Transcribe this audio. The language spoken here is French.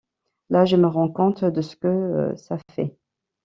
Là, je me rends compte de ce que ça fait.